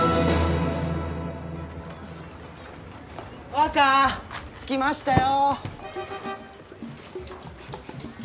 若着きましたよ！